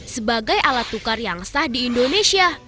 sebagai alat tukar yang sah di indonesia